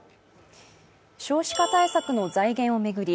少子化対策の財源を巡り